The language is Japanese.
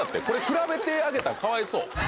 これ比べてあげたらかわいそう。